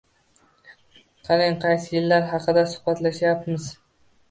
Qarang, qaysi yillar haqida suhbatlashyapmiz.